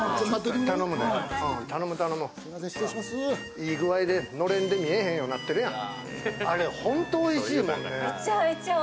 いい具合でのれんで見えへんようになってるやん。